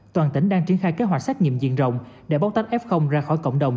toàn tỉnh đang triển khai kế hoạch xét nghiệm diện rộng để bóc tách f ra khỏi cộng đồng